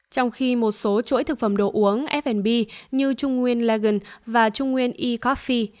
trong khi một số chuỗi thực phẩm đồ uống f b như trung nguyên lagen và trung nguyên e coffi